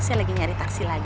saya lagi nyari taksi lagi